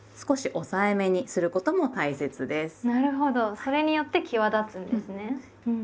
それによって際立つんですね。